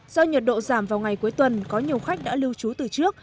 do nhiệt độ giảm vào ngày cuối tuần có nhiều khách đã lưu trú từ trước